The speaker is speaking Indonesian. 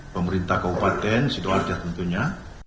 pemerintah kabupaten sidoarjo tentunya